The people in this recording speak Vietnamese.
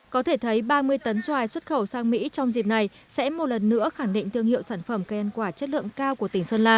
có thể thấy ba mươi tấn xoài xuất khẩu sang mỹ trong dịp này sẽ một lần nữa khẳng định tương hiệu sản phẩm khen quả chất lượng cao của tỉnh sơn lâm